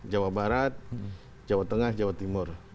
jawa barat jawa tengah jawa timur